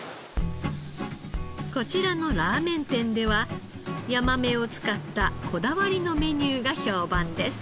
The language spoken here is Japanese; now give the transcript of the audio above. こちらのラーメン店ではヤマメを使ったこだわりのメニューが評判です。